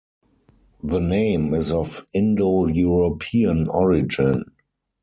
The name is of Indo-European origin.